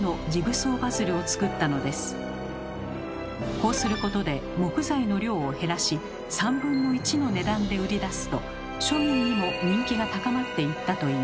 こうすることで木材の量を減らし３分の１の値段で売り出すと庶民にも人気が高まっていったといいます。